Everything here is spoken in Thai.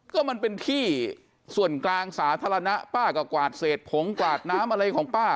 ก็มันเป็นที่ส่วนกลางสาธารณะป้าก็กวาดเศษผงกวาดน้ำอะไรของป้า